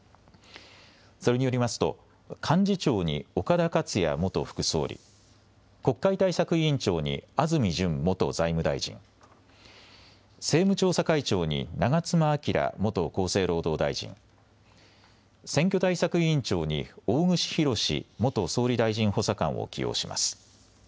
それによりますと、幹事長に岡田克也元副総理、国会対策委員長に安住淳元財務大臣、政務調査会長に長妻昭元厚生労働大臣、選挙対策委員長に大串博志元総理大臣補佐官を起用します。